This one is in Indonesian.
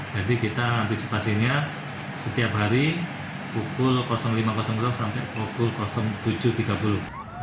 jadi kita antisipasinya setiap hari pukul lima ratus sampai pukul tujuh ratus tiga puluh